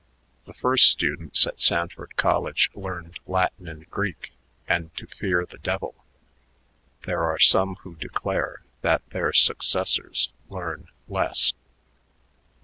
The first students of Sanford College learned Latin and Greek and to fear the devil. There are some who declare that their successors learn less.